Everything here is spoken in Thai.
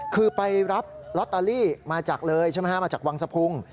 คือไปรับลอตเตอรี่มาจากเลยมาจากวังสะพุง